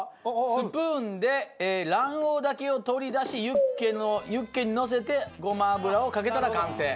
スプーンで卵黄だけを取り出しユッケのユッケにのせてごま油をかけたら完成。